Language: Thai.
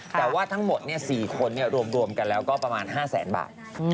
แต่ว่าทั้งหมด๔คนรวมกันแล้วก็ประมาณ๕แสนบาท